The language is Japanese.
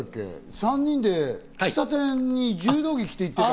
３人で、喫茶店に柔道着を着ていった。